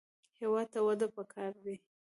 هېواد ته وده پکار ده